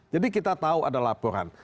jadi kita tahu ada laporan